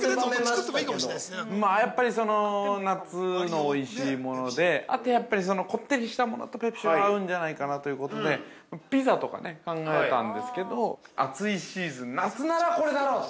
◆やっぱり夏のおいしいもので、あとやっぱりこってりしたものとペプシは合うんじゃないかなということでピザとか考えたんですけど、暑いシーズン、夏ならこれだろうと。